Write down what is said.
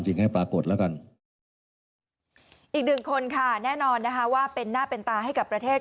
อีกหนึ่งคนค่ะแน่นอนว่าเป็นหน้าเป็นตาให้กับประเทศ